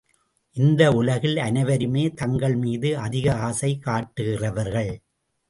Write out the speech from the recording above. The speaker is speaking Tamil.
இந்த உலகில் அனைவருமே தங்கள்மீது அதிக ஆசை காட்டுகிறவர்கள்.